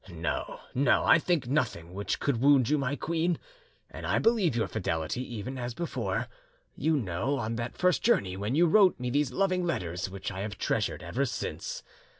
"No, no; I think nothing which could wound you, my queen, and I believe your fidelity, even as before, you know, on that first journey, when you wrote me these loving letters which I have treasured ever since.